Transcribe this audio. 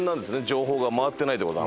情報が回ってないって事は。